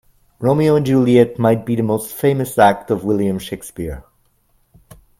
Romeo and Juliet might be the most famous act of William Shakespeare.